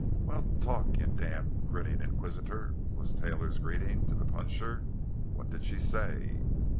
"Well, talk, you damned grinning inquisitor!" was Taylor's greeting to the puncher. "What did she say?"